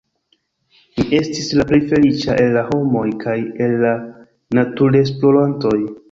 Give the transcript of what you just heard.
Mi estis la plej feliĉa el la homoj kaj el la naturesplorantoj!